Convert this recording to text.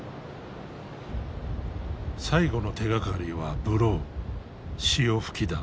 最後の手がかりはブロー潮吹きだ。